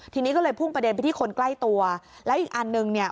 ทีนี้ก็เลยพุ่งประเด็นไปที่คนใกล้ตัวแล้วอีกอันหนึ่งเนี่ย